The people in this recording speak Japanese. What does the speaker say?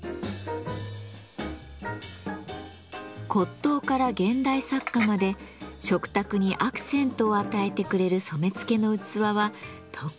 骨董から現代作家まで食卓にアクセントを与えてくれる染付の器は特にお気に入りなのだとか。